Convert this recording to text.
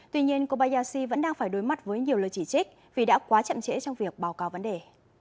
tuy nhiên kobayashi vẫn đang phải đối mặt với nhiều lời chỉ trích vì đã quá chậm trễ trong việc báo cáo vấn đề